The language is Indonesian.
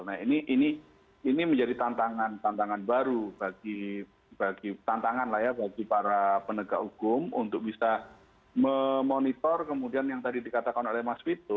nah ini menjadi tantangan baru bagi para penegak hukum untuk bisa memonitor kemudian yang tadi dikatakan oleh mas wito